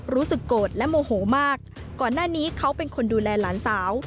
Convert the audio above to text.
รู้สึกโกรธและโมโหมากก่อนหน้านี้เขาเป็นคนดูแลหลานสาว